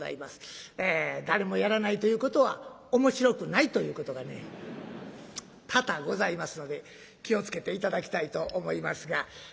誰もやらないということは面白くないということがね多々ございますので気を付けて頂きたいと思いますが。